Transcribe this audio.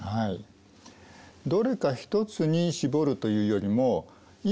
どれか一つに絞るというよりも今何をしたいのか。